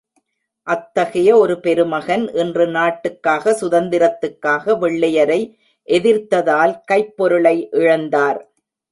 அத்தகைய ஒரு பெருமகன் இன்று நாட்டுக்காக, சுதந்திரத்துக்காக, வெள்ளையரை எதிர்த்ததால் கைப் பொருளை இழந்தார்.